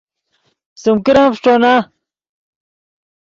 سیم کرن فݰٹونا